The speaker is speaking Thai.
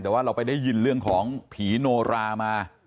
แต่ว่าเราไปได้ยินเรื่องของผีโนรามา